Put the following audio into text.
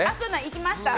行きました。